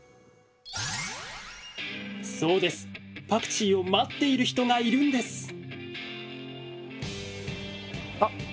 パクチーを待っている人がいるんです！